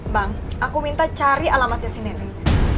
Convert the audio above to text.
bang aku minta cari alamatnya si neneng